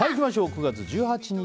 ９月１８日